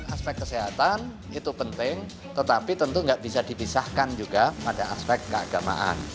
aspek kesehatan itu penting tetapi tentu tidak bisa dipisahkan juga pada aspek keagamaan